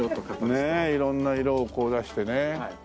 ねえ色んな色をこう出してね。